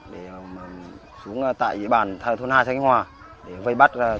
để xuống tại dĩ bản thờ thôn hai khánh hòa để vây bắt